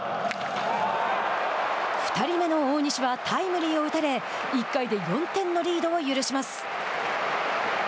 ２人目の大西はタイムリーを打たれ１回で４点のリードを許します。